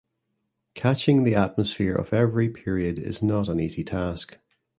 Catching the atmosphere of every period is not an easy task.